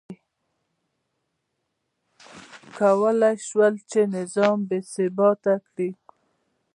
کولای یې شول چې نظام بې ثباته کړي.